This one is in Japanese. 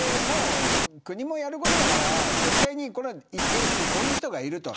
国もやることだから絶対に一定数こういう人がいる。